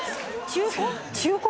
中古！？